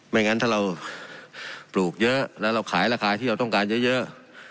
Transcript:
งั้นถ้าเราปลูกเยอะแล้วเราขายราคาที่เราต้องการเยอะ